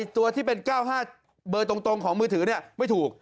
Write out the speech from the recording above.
ตัวที่เป็น๙๕เบอร์ตรงของมือถือไม่ถูก